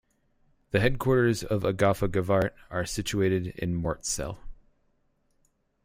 The headquarters of Agfa-Gevaert are situated in Mortsel.